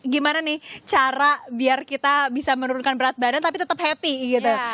gimana nih cara biar kita bisa menurunkan berat badan tapi tetap happy gitu